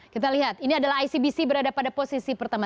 kita lihat ini adalah icbc berada pada posisi pertama